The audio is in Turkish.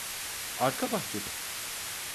Arka bahçede.